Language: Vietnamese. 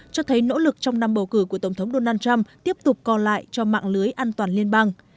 cho thấy nỗ lực trong năm bầu cử của tổng thống donald trump tiếp tục còn lại cho mạng lưới an toàn liên bang